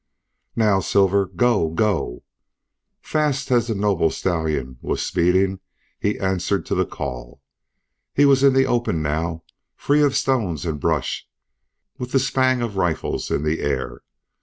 "Now! Silver! Go! Go!" Fast as the noble stallion was speeding he answered to the call. He was in the open now, free of stones and brush, with the spang of rifles in the air.